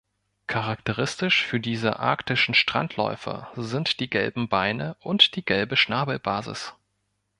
Charakteristisch für diese arktischen Strandläufer sind die gelben Beine und die gelbe Schnabelbasis.